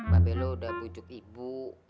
babe lu udah bujuk ibu